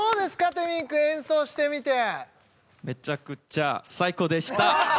テミンくん演奏してみてめちゃくちゃ最高でした